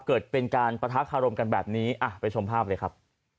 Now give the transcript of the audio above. เกิดเป็นการปะทะคารมกันแบบนี้ไปชมภาพเลยครับ